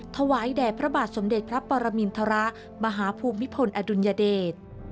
ถวายแด่พระบาทสมเด็จพระปรมินทรมาหาภูมิพลอดุลยเดช